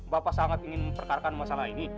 bapak sangat ingin memperkarakan masalah ini